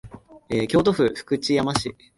京都府福知山市